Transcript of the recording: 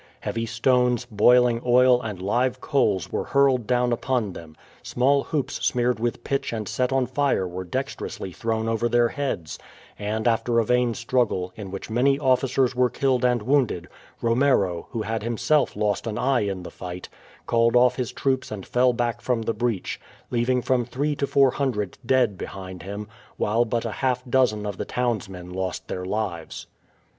Heavy stones, boiling oil, and live coals were hurled down upon them; small hoops smeared with pitch and set on fire were dexterously thrown over their heads, and after a vain struggle, in which many officers were killed and wounded, Romero, who had himself lost an eye in the fight, called off his troops and fell back from the breach, leaving from three to four hundred dead behind him, while but a half dozen of the townsmen lost their lives.